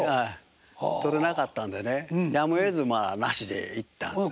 取れなかったんでねやむをえずまあなしで行ったんですね。